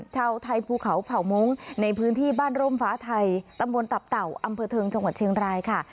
ชาวไทยภูเขาเผ่ามงค์ในพื้นที่บ้านร่มฟ้าไทยตำบลตับเต่าอำเภอเทิงจังหวัดเชียงรายค่ะ